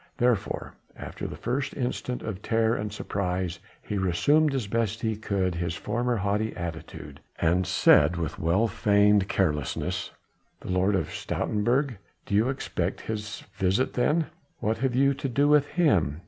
Therefore after the first instant of terror and surprise he resumed as best he could his former haughty attitude, and said with well feigned carelessness: "The Lord of Stoutenburg? Do you expect his visit then? What have you to do with him?